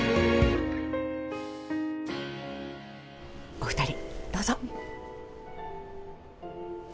お二人どうぞ。